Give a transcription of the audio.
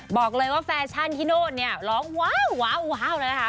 บอกเลยว่าแฟชั่นที่โน้ตเนี่ยร้องว้าวว้าวว้าวนะคะ